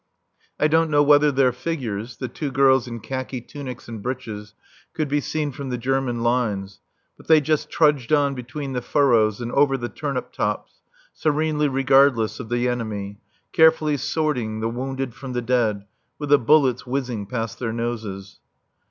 I don't know whether their figures (the two girls in khaki tunics and breeches) could be seen from the German lines, but they just trudged on between the furrows, and over the turnip tops, serenely regardless of the enemy, carefully sorting the wounded from the dead, with the bullets whizzing past their noses.